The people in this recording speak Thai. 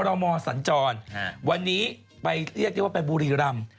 พอเดาหมอสันจรวันนี้ลีกว่าไปบุรีรัมป์